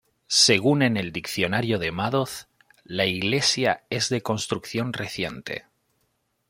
Según en el diccionario de Madoz, la iglesia es de construcción reciente.